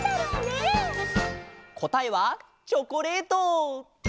こたえはチョコレート！